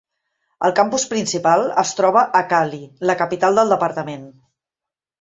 El campus principal es troba a Cali, la capital del departament.